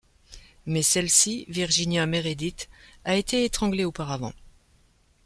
Mais celle-ci, Virginia Meredith, a été étranglée auparavant.